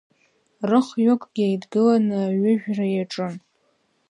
Рыхҩыкгьы еидгыланы аҩыжәра иаҿын.